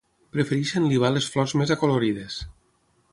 Prefereixen libar les flors més acolorides.